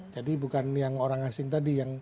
jadi bukan yang orang asing tadi